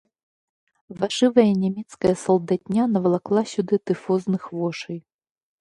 Вашывая нямецкая салдатня навалакла сюды тыфозных вошай.